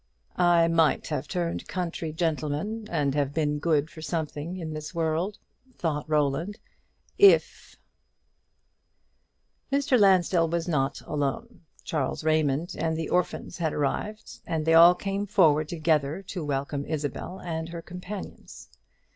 "I might have turned country gentleman, and have been good for something in this world," thought Roland, "if " Mr. Lansdell was not alone. Charles Raymond and the orphans had arrived; and they all came forward together to welcome Isabel and her companions.